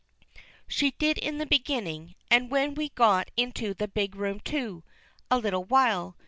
"She did in the beginning, and when we got into the big room too, a little while.